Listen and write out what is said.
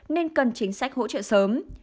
nên cần chính sách hỗ trợ sớm